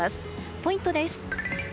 ポイントです。